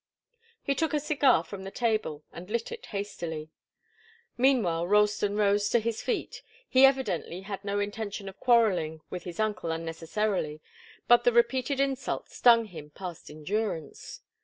He took a cigar from the table and lit it hastily. Meanwhile Ralston rose to his feet. He evidently had no intention of quarrelling with his uncle unnecessarily, but the repeated insult stung him past endurance.